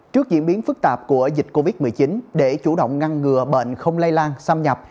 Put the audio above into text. trước diễn biến phức tạp của dịch covid một mươi chín để chủ động ngăn ngừa bệnh không lây lan xâm nhập